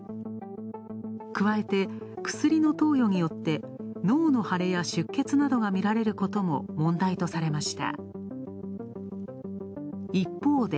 加えて、薬の投与によって、脳の腫れや出血などがみられることも問題とされました。